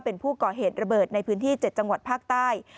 เป็นผู้ก่อเหตุระเบิดในพื้นที่๗จังหวัดภาคใต้